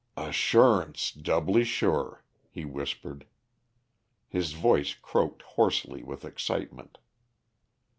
"Assurance doubly sure," he whispered. His voice croaked hoarsely with excitement.